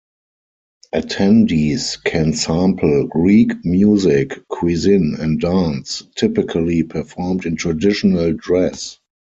Attendees can sample Greek music, cuisine, and dance, typically performed in traditional dress.